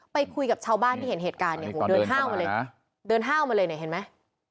ไปคุยกับชาวบ้านที่เห็นเหตุการณ์เดินห้าวมาเลยเดินห้าวมาเลยเห็นมั้ย